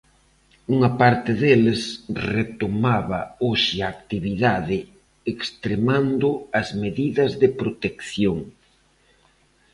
Unha parte deles retomaba hoxe a actividade extremando as medidas de protección.